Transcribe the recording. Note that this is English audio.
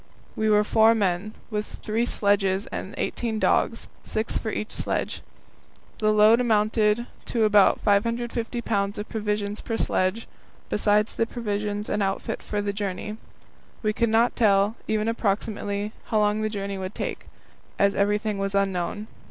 We were four men, with three sledges and eighteen dogs, six for each sledge. The load amounted to about 550 pounds of provisions per sledge, besides the provisions and outfit for the journey. We could not tell, even approximately, how long the journey would take, as everything was unknown.